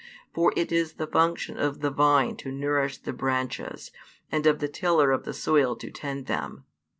For it is the function of the vine to nourish the branches, and of the tiller of the soil to tend them.